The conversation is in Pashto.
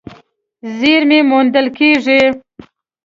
زېرمې موندل کېږي.